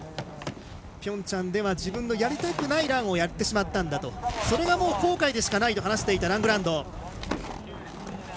ピョンチャンでは自分のやりたくないランをやってしまったんだとそれが後悔でしかないと話していたラングランド。